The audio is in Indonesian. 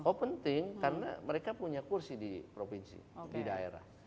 oh penting karena mereka punya kursi di provinsi di daerah